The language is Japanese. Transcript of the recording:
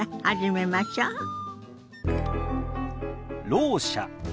「ろう者」。